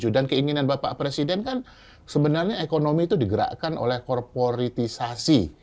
dan keinginan bapak presiden kan sebenarnya ekonomi itu digerakkan oleh korporitisasi